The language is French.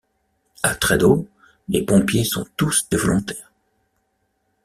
A Tredos, les pompiers sont tous des volontaires.